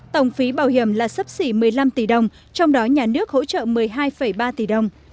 tổng phí bảo hiểm là sấp xỉ một mươi năm tỷ đồng trong đó nhà nước hỗ trợ một mươi hai ba tỷ đồng